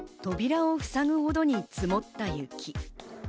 扉をふさぐほどに積もった雪。